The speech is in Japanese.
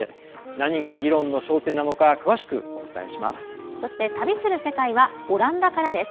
何が議論の焦点なのか詳しくお伝えします。